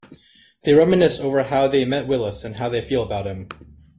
They reminisce over how they met Willis and how they feel about him.